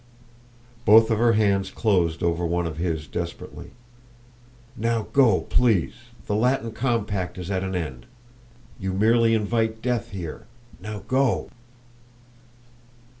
Both of her hands closed over one of his desperately. "Now, go, please. The Latin compact is at an end; you merely invite death here. Now, go!"